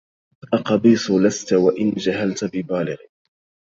أقبيص لست وإن جهلت ببالغ